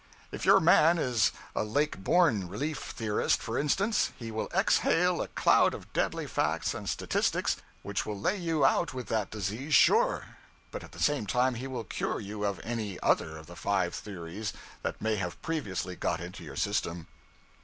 If your man is a Lake Borgne relief theorist, for instance, he will exhale a cloud of deadly facts and statistics which will lay you out with that disease, sure; but at the same time he will cure you of any other of the five theories that may have previously got into your system.